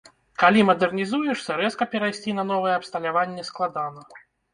Калі мадэрнізуешся, рэзка перайсці на новае абсталяванне складана.